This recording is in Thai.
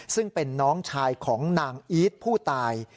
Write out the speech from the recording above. ซึ่งเป็นน้องชายของนางอีทผู้ตาย